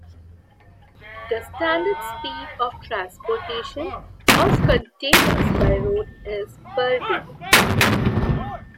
The standard speed of transportation of containers by road is per day.